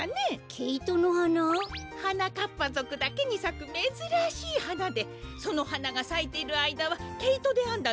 ケイトのはな？はなかっぱぞくだけにさくめずらしいはなでそのはながさいているあいだはけいとであんだ